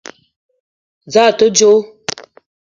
Za a te djo?